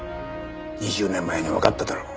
２０年前にわかっただろう？